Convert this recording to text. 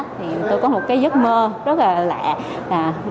thì tôi có một cái giấc mơ rất là lạ